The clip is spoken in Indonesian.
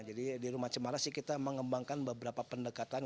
jadi di rumah cemara sih kita mengembangkan beberapa pendekatan